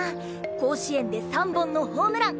甲子園で３本のホームラン！